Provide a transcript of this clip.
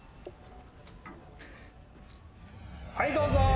・はいどうぞ。